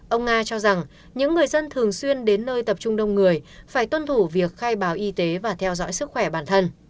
ông nga cho rằng những người dân thường xuyên đến nơi tập trung đông người phải tuân thủ việc khai báo y tế và theo dõi sức khỏe bản thân